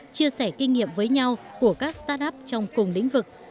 chia sẻ kinh nghiệm với nhau của các start up trong cùng lĩnh vực